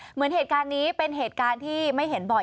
เหมือนเหตุการณ์นี้เป็นเหตุการณ์ที่ไม่เห็นบ่อย